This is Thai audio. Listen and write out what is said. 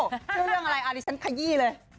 ชื่อเรื่องอะไรอันนี้ฉันขยี้เลย